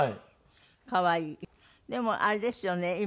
でもあれですよね